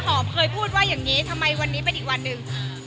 เคยพูดว่าอย่างนี้ทำไมวันนี้เป็นอีกวันหนึ่ง